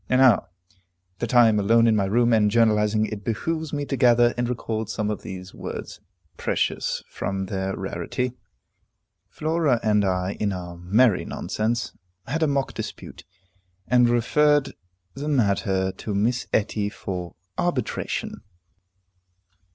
And now that I am alone in my room, and journalizing, it behooves me to gather up and record some of those words, precious from their rarity. Flora and I, in our merry nonsense, had a mock dispute, and referred the matter to Miss Etty for arbitration.